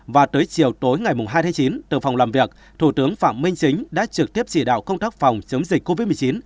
và tới chiều tối ngày hai tháng chín từ phòng làm việc thủ tướng phạm minh chính đã trực tiếp chỉ đạo công tác phòng chống dịch covid một mươi chín